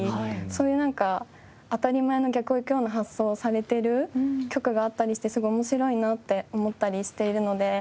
そういうなんか当たり前の逆を行くような発想をされている局があったりしてすごい面白いなって思ったりしているので。